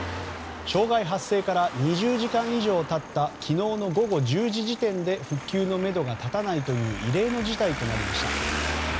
障害発生から２０時間以上経った昨日の午後１０時時点で復旧のめどが立たないという異例の事態となりました。